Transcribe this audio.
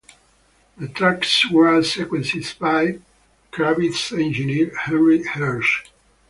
The tracks were sequenced by Kravitz's engineer, Henry Hirsch.